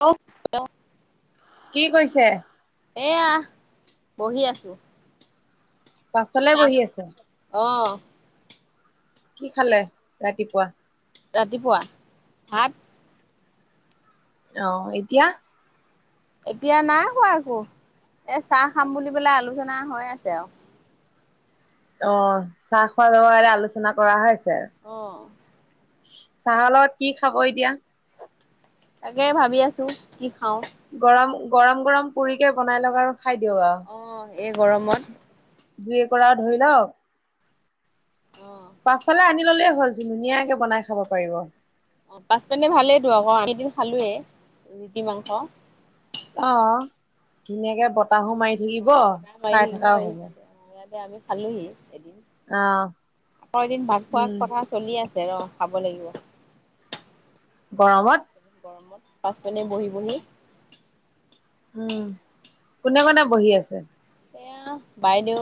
অ'। [unintelligible] কি কৈছে? এয়া বহি আছো। পাছফালে চাহ বহি আছে? অ কি খালে ৰাতিপুৱা? ৰাতিপুৱা ভাত। অহ, এতিয়া? এতিয়া নাই হোৱা একো, এ, চাহ খাম বুলি পেলাই আলোচনা হৈ আছে আৰু। অ, চাহ খোৱা যাব কাৰণে আলোচনা কৰা হৈছে। অহ। চাহৰ লগত কি খাব এতিয়া? তাকে ভাবি আছো কি খাওঁ। গৰম, গৰম, গৰম পুৰি কে বনাই লওঁক আৰু। খাই দিয়ক আৰু অ, এই গৰমত। দুই একুৰাও ধৰি লওক। অ'। পাছফালে আনি ললেই হ'ল। ধুনীয়াকে বনাই খাব পাৰিব। অ, পাচ পিনে ভালেইটো আকৌ, আমি এদিন খালোয়েই ৰুটি, মাংস। অ, ধুনীয়াকে বতাহো মাৰি অ থাকিব খাই থকাও হ'ব। এতিয়া আমি খালোহি, এদিন আহ আকৌ এদিন ভাত খোৱাৰ উম কথা চলি আছে। ৰ, খাব লাগিব। গৰমত গৰমত পাচ পিনে বহি, বহি উম, কোনে, কোনে বহি আছে? এয়া বাইদেউ,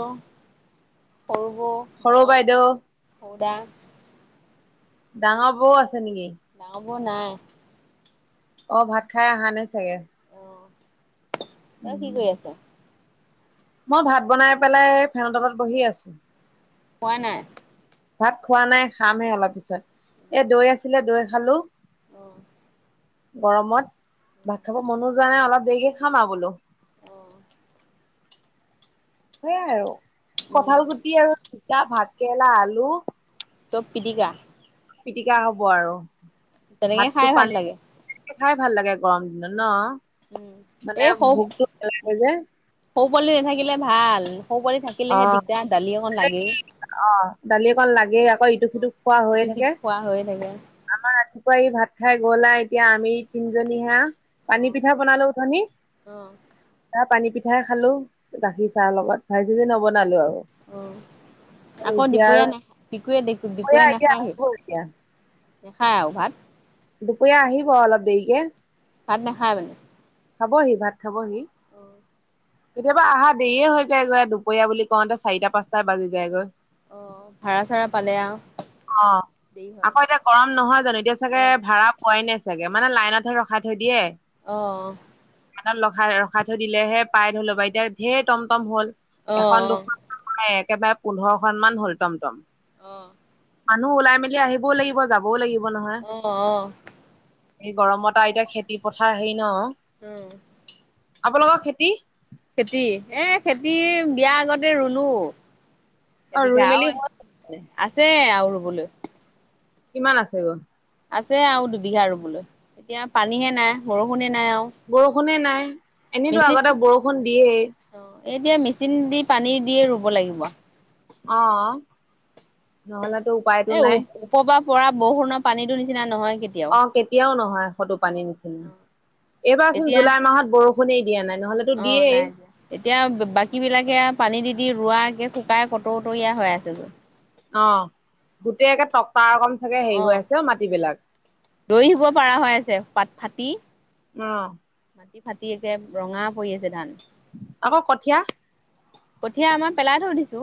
সৰুবৌ, সৰু বাইদেউ মই দা ডাঙৰ বৌও আছে নেকি? বও নাই। ভাত খাই আহা নে চাগে। অ, তই কি উম কৰি আছ? মই ভাত বনাই পেলাই ফেনতলত বহি আছো। খোৱা নাই। ভাত খোৱা নাই খামহে অলপ পিছত। এ দৈ আছিলে দৈ খালো। অহ। গৰমত ভাত খাব মনো যোৱা নাই। অলপ দেৰিকে খাম আৰু বোলো। অ সেইয়াই আৰু উম কঠাল গুটি আৰু জিকা, ভাত কেৰেলা, আলু, সৱ পিটীকা। পিটিকা হ'ব আৰু তেনেকেই ভাতটো খাই ভাল পানী লাগে। খাই ভাল লাগে গৰম দিনত ন। উম, মানে এই সৰু, ভোকতো নালাগে উম, যে সৰু পোৱালী নেথাকিলে ভাল। সৰু পোৱালী অ থাকিলেহে দিগদাৰ দালি অকণ লাগেই। অ দালি অকন লাগেই আকৌ ইটো সিটো খোৱা হৈয়ে ইটো থাকে। সিটো খোৱা হৈয়ে থাকে আমাৰ ৰাতিপুৱা ভাত খাই গ'ল, এতিয়া আমি তিনিজনী হে। অ পানী পিঠা বনালো উঠনি, অ তাত পানী পিঠাই খালো গাখীৰ চাহৰ লগত। ভাঁজি চাজি নবনালো আৰু। অ আকৌ এতিয়া আৰু দুপৰীয়া নাখায়? দিকুৱে দুপৰীয়া এতিয়া নাখায় হি? আহিব এতিয়া নাখায় আৰু ভাত। দুপৰীয়া আহিব অলপ দেৰিকে। পাত ন খায় মানে হাব সি ভাত খাবহি অ', কেতিয়াবা অহা দেৰিয় হৈ যায়গৈ দুপৰীয়া বুলি কওঁতে চাৰিটা পাঁচটা বাজি যায়গৈ অ ভাড়া চাড়া পালে আৰু অ দেৰি হয় আকৌ এতিয়া গৰম নহয় জানো এতিয়া চাগে অ ভাড়া পোৱাই নাছিল চাগে মানে লাইনতহে ৰখাই থৈ দিয়ে অ', ৰখা ৰখাই থৈ দিলেহে পাই ধৰি লব বা এতিয়া ধেৰ টমটম হ'ল অ এখন অ দুখন একেবাৰে পোন্ধৰখনন মান হ'ল টম টম আহ, মানুহ ওলাই মেলি আহিবও লাগিব যাবও লাগিব নহয়। আহ আহ এই গৰমত আৰু এতিয়া খেতি পথাৰ হেৰি ন উম, আপোনালোকৰ খেতি? খেতি এ খেতি বিয়াৰ আগতে ৰুলো অ ৰুই এবিঘা মেলি হ'ল আছে আৰু ৰুবলৈ কিমান আছে গল আছে আৰু দুবিঘা ৰুবলৈ এতিয়া পানীহে নাই বৰষুণে নাই আৰু বৰষুণে নাই এনেইতো মেচিন আগতে বৰষুণ দিয়েই অ', এতিয়া মেচিন দি পানী দিয়ে ৰুব লাগিব অ', নহ ল এ উপওপৰ পৰা বৰষুণৰ পানীো নিচিনা নহয় কেতিয়াও। অ', েতিয়াও নহয় সটোো পানী অ', নিচিনা অ', এইবাৰচোন এতিয়া জুলাই মাহত বৰষুণি অ', নাই এতিয়া বাকী বিলাকে পানী দি দি ৰোৱাে শুকাই কতৌ উতীয়া হৈ আছে যে অ', গোটেইকে তটক অ, উম, ৰৈ আহিব পৰাৰা হৈ আছে, প ফাটি, অ', মাটি, ফাটি একে ৰঙা পৰি আছে ধান। আকৌ, কঠীয়া কঠীয়া আমাৰ পেলাই থ, দিছো।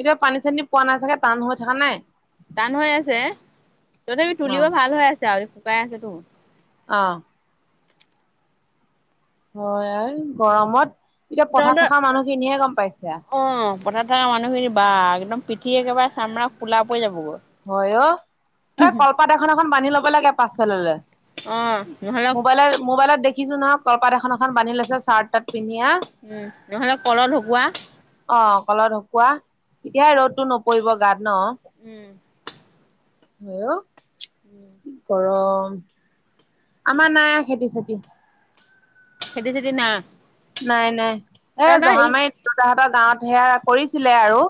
এতিয়া পানী, চানী পোৱা নাই চাগে টান হৈ থকা নাই। টান হৈ আছে, তথাপি তুলিব অ', ভাল হৈ আছে, আ, শুকাই আছেতো। অ'। হয়, গৰমত। এতিয়া পথাৰত তহতৰ থকা মানুহখিনিহে গম পাইছে আৰু অ, পথাৰ থকা মানুহখিনি বা একদম সঠি একেবাৰে চামৰা খোলা পৰি যাব। হয়, অ, এই কলপাত এখন এখন বান্ধি ল'ব লাগে পাছফাললে। অ' নহ'লে মোবাইলত, মোবাইলত দেখিছো নহক কপাত এখন। এখন বান্ধি লৈছে, চাৰ্ট, তাত পিন্ধিয়ে উম নহ'লে কলত ঢকুৱা অ'। ত, ঢুকুৱোৱা তেতিয়াহে ৰ'দতটো নপৰিব গাত ন। উম। অ, গৰম। আমাৰ নাই খেতি, চেতি সেইতি চদি ন নাই, নাই, এ, জহা মাৰী দেউতাহঁতৰ গাঁৱত সেয়া কৰিছিলে আৰু।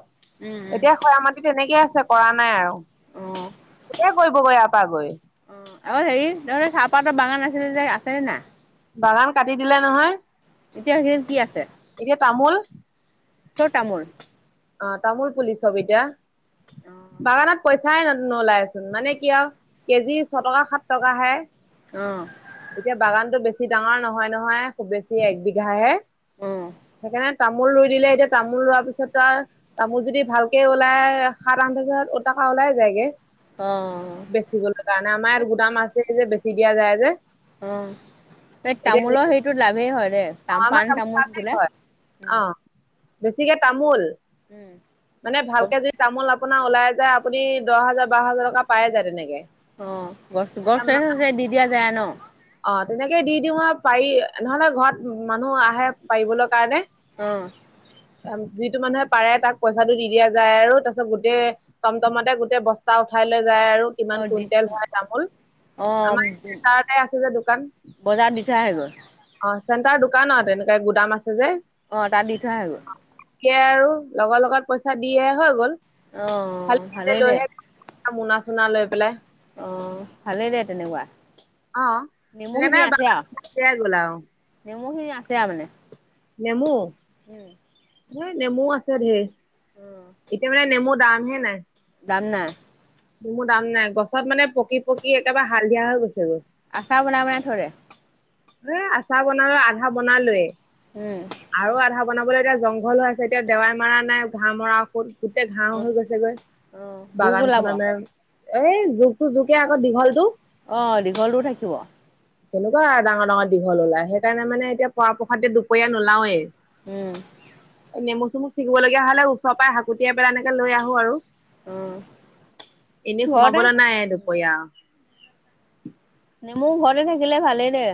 উম এতিয়া খৰা মাটি তেনেকে আছে, কৰা নাই আৰু উম অ'। গোটেই কৰিবগৈ আ অ, আৰু হেৰি তাৰে চাহপাতৰ বাগান আছিলে যে আছে না? বাগান কাটি দিলে নহয়। এতিয়া স, কি আছে। এতিয়া তামোল ছ, টামোল অ, তামোল পুলি ছবি এতিয়া। অ' বাগানত পইচাই নোলায়চোন মানে ক, আৰু কেজি ছটকা, সাত টকাহে। অ' এতিয়া বাগানতটো বেছি ডাঙৰ নহয়, নহয়। খুব বেছি একবিঘাহে সেইকাৰণে তামোল ৰুই দিলে। এতিয়া তামোল ৰোৱাৰ পিছত, ত, আৰু ত, মোৰ যদি ভালকে ওলাই সাত, আঠ হাজাৰ টকা ওলাই যায়গে। অ' বেচি গলে কাৰণে আমাৰ ইয়াত গুদাম আছে যে বেচি দিয়া যায় যে। অ, এই এতিয়া তামোলৰ সেইটো লাভেই হয়। তাম, আমাৰ পান তামোল পালেই তামছিলিল হয় উ। অ বেছিকে তামোল মানে গছ ভালকে যদি তামোল আপোনাৰ ওলাই যায় আপুনি দহ হাজাৰ, বাৰ হাজাৰ টকা পায়ে যায় তেনেকে। অ, গছ, গছ, চ, দি, দিয়া যায় ন। অ, তেনেকৈ দি দিওঁ মই পাৰি নহ'লে, ঘৰত মানুহ আহে, পাৰিবলৈ কাৰণে। অহ। যিটো মানুহে পাৰে তাক পইচাটো দি দিয়া যায় আৰু তাৰ পিছত গোটেই টমটমতে, গোটেই বস্তা উঠাই লৈ আৰু অ কিমান দি কুইণ্টেল হয়, তামোল আমাৰ। আছে যে দোকান বজাৰ দিঠা হে গৈ অ চেণ্টাৰ দোকান আৰু তেনেকে গুদাম আছে। অ, ত, দি থোৱা হ, গ সিহে আৰু লগৰ লগত পইচা দিয়ে হৈ গ'ল। অ খালি ভালেই দে লৈহে মোনা, চোনা লৈ পেলাই অ, ভালেই দে তেনেকুৱা। অ, নেমুখিনি সেইকাৰণে বয়াই গ'ল আৰু। নেমুখিন আছে, আ, মানে। নেমুহ, উম নেমু আছে ধঢেৰ উম এতিয়া মানে নেমু দাম হে নাই। দাম, নাই। মোৰ দাম নাই গছত মানে পকি পকি একেবাৰে হালধিয়া হৈ গৈছে গৈ আশা বন মনে থৰে এ আচাৰ বনালো আধা বনালোয়ে উম আৰু আধা বনাবলৈ এতিয়া জংঘল হৈ আছে এতিয়া দেৱাই মৰা নাই ঘাঁহ মৰা ঔষুত গোটেই অ ঘাঁহ হৈ গৈছেগৈ অ', জোক ওলাব বাগানখন ন এই জোকতটো জোকে আগত দীঘল টো আহ দীঘলটো থাকিব কেনেকুৱা ডাঙৰ ডাঙৰ দীঘল ওলায় সেইকাৰণে মানে এতিয়া পৰাপ্ৰসাদ দুপৰীয়া নোলাৱেই উম, নেমু চেু ছিগিবলীয়া হলে ওচৰই হাকুটীয়া পেলাই এনেকে লৈ আহো আৰু অ এনেই ঘৰতে সোমাবলৈ নাই দুপৰীয়া নেমু ঘৰতে থাকিলে ভালেই দে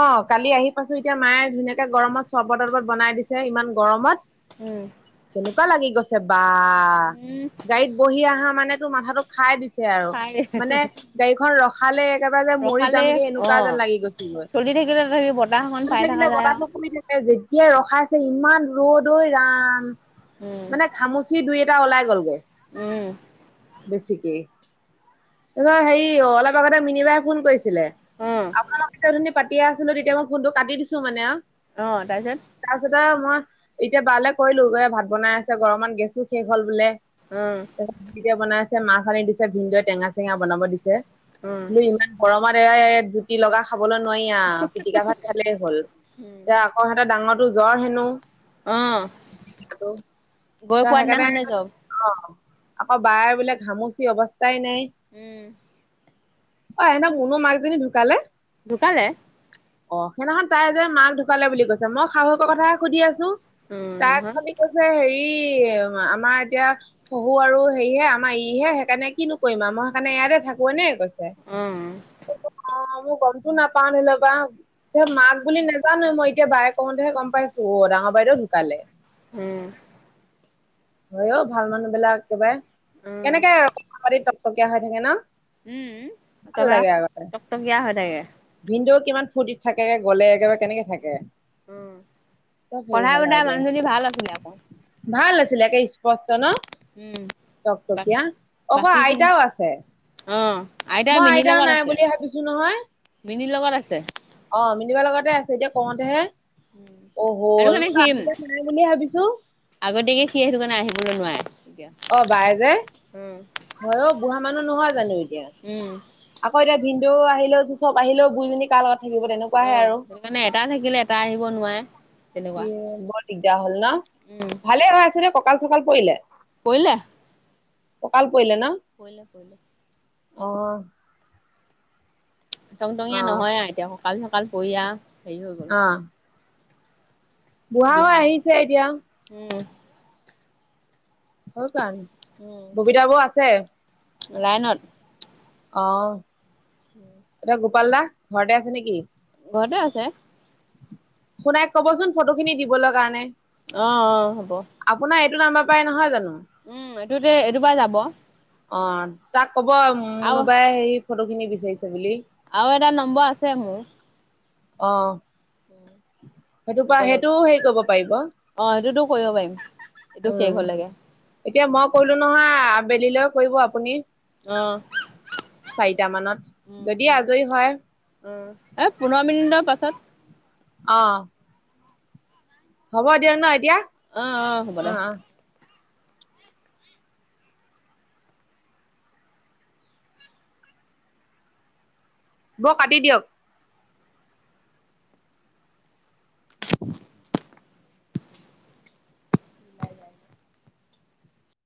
অ', কালি আহি পাইছো এতিয়া মায়ে ধুনীয়াকে গৰমত চৰ্বত তৰ্বত বনাই দিছে ইমান গৰমত উম, এনেকুৱা লাগি গৈছে বা উম গাড়ীত বহি অহা মানে তোৰ মাথাটো খাই দিছ আৰু খাই দে মানে গাড়ীখন ৰখালে একেবাৰে যে মৰি ৰখালে যামগে অ এনেকুৱা যেন লাগি গৈছে চলি থাকিলে তথাপি বতাহকন পাই থাককা যায় আৰু বতাহটো পৰি থাকে যেতিয়াই ৰখাইছে ইমান ৰ'দৈ ৰাম উম মানে ঘামুচি দুই এ এ ওলাই গলগৈ উম, বেছিকে তাৰপত হেৰি অলপ আগতে মিনিবাই ফোন কৰিছে ছিলে আপোনালোক এ ধুনী পাতিয় আছিলো তেতিয়া মই ফোনতটো কাটি দিছো মানে অ অহ তাৰপিছত মই এতিয়া বালে কৰিলো গৈ ভাত বনাই আছে গৰমত গেছো শেষ হ'ল বোলে অ তাৰপিছতয়া বনাইছে মাহছ সনি দিছে ভিনদে টেঙা চেঙা বনাব দিছে অ বলো ইমান গৰমত এ জুতি লগা খাবলৈ নোৱাৰিা পিটিকা ভাত খালেই হ'ল উম এতিয়া আকৌ সিহঁতেৰ ডাঙৰটোো জ্বৰ হেনো অ ত গৈ পোৱা সেইকাৰণে দিনাখনে জব অ', আকৌ বায়বিলাক হামুচি অৱস্থাই নাই উম অ', েনে মনো মাকজনী ঢুকালে? দুোকালে অ', সেইদিনাখন তাই যে মাক ঢুকালে বুলি কৈছে মই সাহসকৰ কথে সুধি আছো উম তাক নহয় খালি কৈছে হেৰি আমাৰ এতিয়া শহু আৰু হেৰি হে আমাৰ ইহে সেইকাৰণে কিিন কৰিৰিমা মই সেইকাৰণে ইয়াতে থাকোে নে কৈছো উম [unintelligible] নাপাও ধৰি লওবা মাক বুলি নাজান মই এতিয়া বায়ে কওঁতেহে গম পাইছো অ ডাঙৰ বাইদেউ সোনকালে উম, অ', অ ', ভাল মানুহ বিলাক একেবাৰে উম কেনেকে আৰু কথা পাতি টকটকীয়া হৈ থাকে ন উম ভাল তমাৰ টকটকিয়া হয় থাকে ভিনন্দেও কিমান ফূৰ্তিত থাকেে গলে একেবাৰে কেনেকে থাকে উম চব হেৰি পঢ়া শুনা হল মানুহজনী ভাল আছিলে আকৌ দেয়া ভাল আছিলে একে স্পষ্ট ন উম বাকী টকটকীয়া অক বাকীখিনি আইতাও আছে মই আইতা নাই বুলি ভাবিছো নহয় নীৰ লগত আছে অ', মিনিবা লগতে আছে এতিয়া কৰওঁতেহে অ', সেইটো ল কাৰণে মোৰ সি ক দুটা নাই বুলিয়ে ভাবিছো লৈ অ বাই নোৱাৰে যে এতিয়া হয় অ', বুঢা মানুহ নহয় জানো এই উম। আকৌ এতিয়া ভিন্দও আহিলও চব আহিলেও বুইজনী কালত অ সেইকাৰণে এটা থাকিলে এটা আহিব নোৱাৰে এ তেনেকুৱা বৰ দিগদাৰ হল ন উম, ভালে হৈ আছিলে কঁকাল চকাল পৰিলে পৰিলে ককাল পৰিলে ন পল পল অ টং অ টঙীয়া নহয় আৰু এতিয়া ককাল চকাল পৰিয়া হেৰি হৈ গল অ বুঢ়া হৈ আহিছে এতিয়া উম, হয় কাৰণ উম, ববিতা বৈ আছে লাইনত অ এয়া গোপাল দা ঘৰতে আছে নেকি ঘৰতে আছে শুনাইক কবচোন ফটো খিনি দিবলৈ কাৰণে অ অহ হ'ব নাম্ব পাই নহয় জানো উম এইটোতে এইটোপাই যাব অ তাক কব আৰু মোনোবাই হেই ফটো খিনি বিচাৰিছে বুলি আৰু এটা নম্বৰ আছে মোৰ অ সেইটো পৰা দিব লাগিব। এইটোও হেৰি কৰিব পাৰিব উম অ এইটোতো কৰিব পাৰিম এইটো শেষ হলেগে এতিয়া মই কৰিলো নহয় আবেলিলৈ কৰিব আপুনি আহ চাৰিটা মানত উম যদি উম আজৰি হয় উম-এ পোন্ধৰ মিনিটৰ পাত পাছত অ হ'ব দিয়ক ন এতিয়া? আহ আহ হ'ব অ দে। অ বৌ কাটি দিয়ক। [unintelligible] [unintelligible]